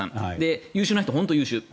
優秀な人は本当に優秀。